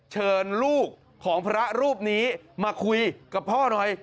เชิญลูกของพระรูปนี้มาคุยกับพ่อหน่อย